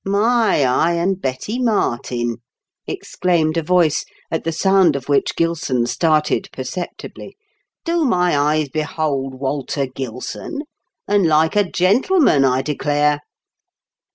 " My eye and Betty Martin !" exclaimed a voice, at the sound of which Gilson started perceptibly. "Do my eyes behold Walter Gilson ? And like a gentleman, I declare